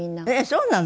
そうなの。